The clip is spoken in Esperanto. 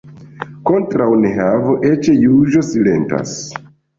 Kontraŭ nehavo eĉ juĝo silentas.